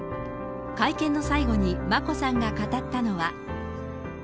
会見の最後に、眞子さんが語ったのは。